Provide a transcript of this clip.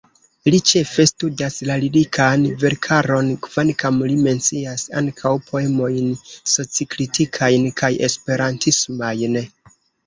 Li ĉefe studas la lirikan verkaron, kvankam li mencias ankaŭ poemojn socikritikajn kaj esperantismajn.